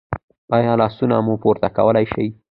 ایا لاسونه مو پورته کولی شئ؟